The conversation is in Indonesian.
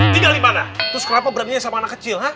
tinggal dimana terus kenapa berani sama anak kecil